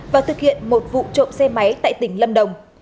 và thực hiện một vụ trộm xe máy tại tỉnh lâm đồng